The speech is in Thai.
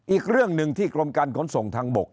อีกเรื่องหนึ่งที่กรมการขนส่งทางบก